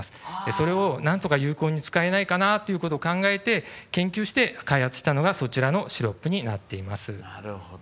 それをなんとか有効に使えないかなということを考えて研究して開発したのがそちらのシロップになっています。